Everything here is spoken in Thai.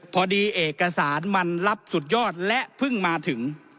เอกสารมันรับสุดยอดและเพิ่งมาถึง